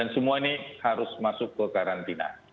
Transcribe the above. semua ini harus masuk ke karantina